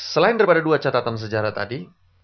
selain daripada dua catatan sejarah tadi